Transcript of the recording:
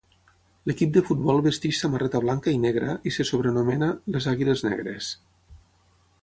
L'equip de futbol vesteix samarreta blanca i negra i se sobrenomena les Àguiles Negres.